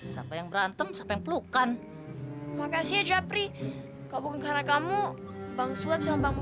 sampai yang berantem sampai pelukan makasih jafri kalau karena kamu bangsa bisa bangun